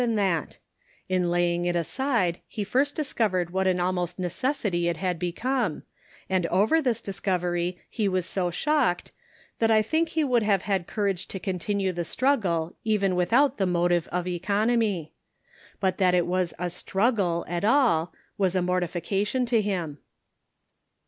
than that ; in laying it aside, he first discov ered what an almost necessity it had become, and over this discovery he was so shocked that I think he would have had courage to continue the struggle even without the motive of econ omy; but that it was a struggle at all, was a mortification to him.